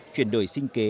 chuyển đổi sinh kế